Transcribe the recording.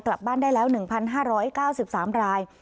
กลับบ้านได้แล้ว๑๕๙๓ราย